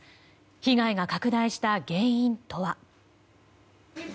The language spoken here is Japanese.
被害が拡大した原因とは。